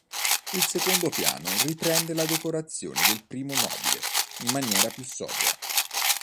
Il secondo piano riprende la decorazione del piano nobile in maniera più sobria.